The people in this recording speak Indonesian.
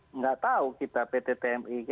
tidak tahu kita pt tmi